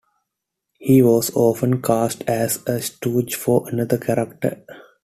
He was often cast as a stooge for another character.